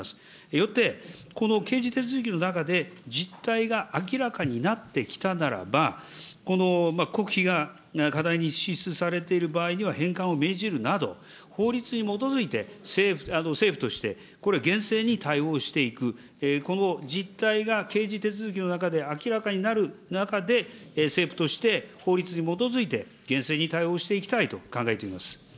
よって、この刑事手続きの中で、実態が明らかになってきたならば、この国費が過大に支出されている場合には、返還を命じるなど、法律に基づいて、政府としてこれ、厳正に対応していく、この実態が刑事手続きの中で明らかになる中で、政府として、法律に基づいて、厳正に対応していきたいと考えています。